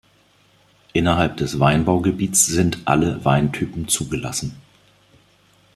Innerhalb des Weinbaugebiets sind alle Weintypen zugelassen.